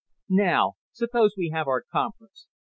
Now suppose we have our conference.